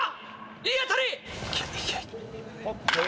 いい当たり！